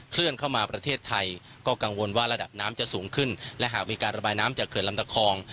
เคลื่อนเข้ามาประเทศไทยก็กังวลว่าระดับน้ำจะสูงขึ้นและหากมีการระบายน้ำจากเขื่อนลำตะคอง